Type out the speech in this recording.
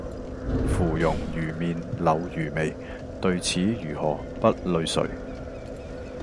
芙蓉如面柳如眉，對此如何不淚垂！